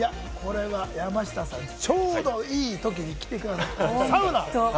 山下さん、ちょうどいいときに来てくださった、サウナ。